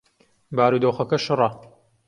بارودۆخەکە شڕە.